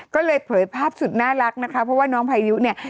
ก็เลยเผยภาพสุดน่ารักนะคะเพราะว่าน้องพายุเนี่ย